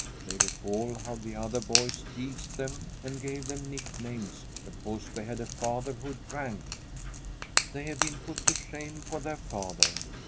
They recall how the other boys teased them and gave them nicknames because they had a father who drank. They have been put to shame for their father.